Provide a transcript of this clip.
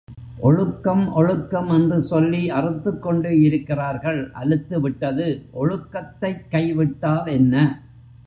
ஒழுக்கம் ஒழுக்கம் என்று சொல்லி அறுத்துக்கொண்டு இருக்கிறார்கள் அலுத்துவிட்டது ஒழுக்கத்தைக் கை விட்டால் என்ன?